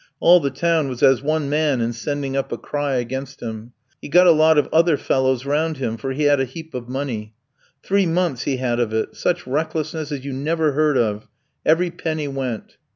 All the town was as one man in sending up a cry against him. He got a lot of other fellows round him, for he had a heap of money. Three months he had of it. Such recklessness as you never heard of. Every penny went.